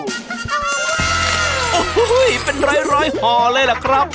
โอ้โหเป็นร้อยห่อเลยล่ะครับ